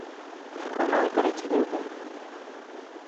ڪمال ڪري ڇڏيو تين.